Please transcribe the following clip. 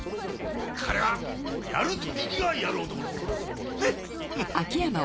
彼はやる時にはやる男です！ね！